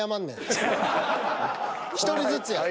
１人ずつや。